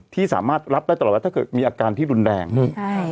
ที่สามารถรับได้ตลอดว่าถ้าเกิดมีอาการที่รุนแรงอืมใช่